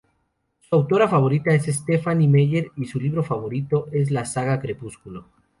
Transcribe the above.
Su autora favorita es Stephenie Meyer, y su libro favorito es la saga "Crepúsculo".